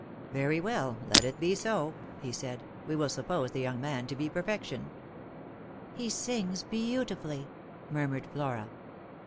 "Very well, let it be so," he said. "We will suppose the young man to be perfection." " He sings beautifully," murmured Flora.